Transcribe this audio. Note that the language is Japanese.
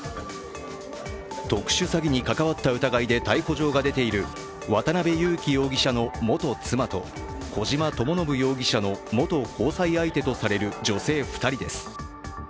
特殊詐欺に関わった疑いで逮捕状が出ている渡辺優樹容疑者の元妻と、小島智信容疑者の元交際相手とされる女性２人です。